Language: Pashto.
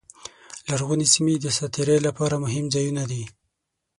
لرغونې سیمې د ساعت تېرۍ لپاره مهم ځایونه دي.